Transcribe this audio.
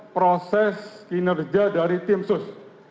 proses kinerja dari tim sus